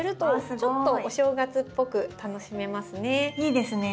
ちょっとお正月っぽく楽しめますね。